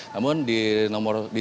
namun di nomor disekitaran